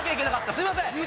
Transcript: すいません！